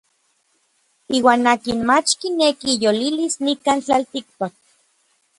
Iuan akin mach kineki iyolilis nikan tlaltikpak.